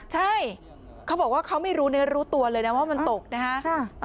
ใช่เขาบอกว่าเขาไม่รู้เนื้อรู้ตัวเลยนะว่ามันตกนะฮะ